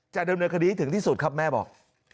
จะดำเนินคดีให้ถึงที่สุดครับแม่บอก